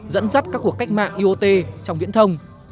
dẫn dắt các cuộc cách mạng iot trong viễn thông